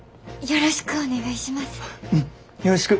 よろしくお願いします。